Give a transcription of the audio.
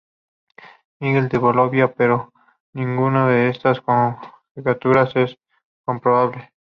Miguel de Bolonia, pero ninguna de estas conjeturas es comprobable.